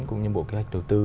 cũng như bộ kế hoạch đầu tư